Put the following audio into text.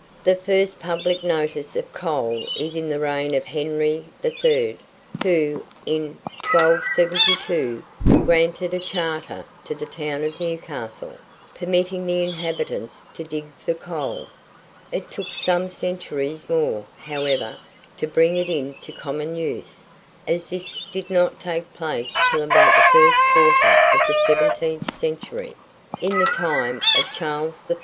The first public notice of coal is in the reign of Henry III., who, in 1272, granted a charter to the town of Newcastle, permitting the inhabitants to dig for coal. It took some centuries more, however, to bring it into common use, as this did not take place till about the first quarter of the seventeenth century, in the time of Charles I.